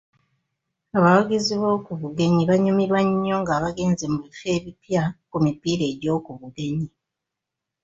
Abawagizi b'oku bugenyi banyumirwa nnyo nga bagenze mu bifo ebipya ku mipiira egy'oku bugenyi.